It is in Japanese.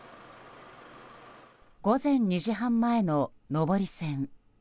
午前２時半前の上り線。